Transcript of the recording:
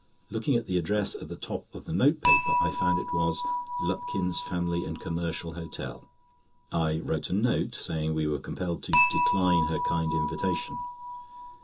Looking at the address at the top of the note paper, I found it was "Lupkin's Family and Commercial Hotel." I wrote a note, saying we were compelled to "decline her kind invitation."